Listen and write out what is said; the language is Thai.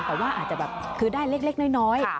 แต่ว่าอาจจะแบบคือได้เล็กน้อย